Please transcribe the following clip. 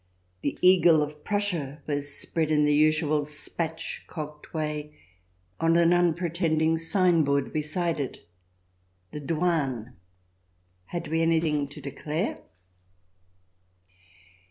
The eagle of Prussia was spread in the usual spatch cocked way on an unpretending signboard beside it. The douane ! Had we anything to declare